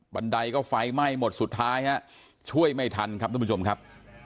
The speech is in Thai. ไดก็ไฟไหม้หมดสุดท้ายฮะช่วยไม่ทันครับทุกผู้ชมครับ